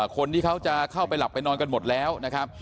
คนที่เขาจะเข้าไปหลับไปนอนกันหมดแล้วนะครับ